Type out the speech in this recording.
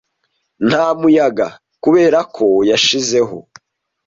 Nta muyaga, kubera ko yashizeho